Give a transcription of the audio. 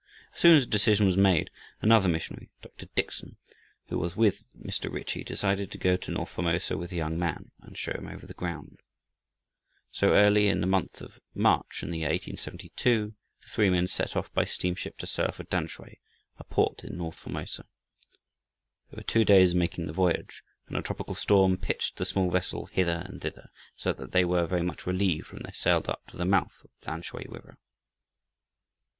As soon as the decision was made, another missionary, Dr. Dickson, who was with Mr. Ritchie, decided to go to north Formosa with the young man, and show him over the ground. So, early in the month of March in the year 1872, the three men set off by steamship to sail for Tamsui, a port in north Formosa. They were two days making the voyage, and a tropical storm pitched the small vessel hither and thither, so that they were very much relieved when they sailed up to the mouth of the Tamsui river.